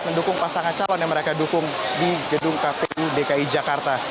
mendukung pasangan calon yang mereka dukung di gedung kpu dki jakarta